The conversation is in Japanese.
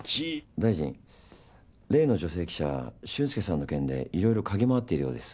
大臣例の女性記者俊介さんの件でいろいろかぎ回っているようです。